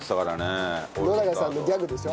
野永さんのギャグでしょ？